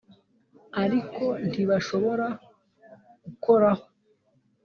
ariko ntibashobora gukoraho